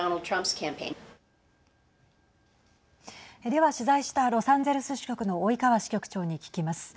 では取材したロサンゼルス支局の及川支局長に聞きます。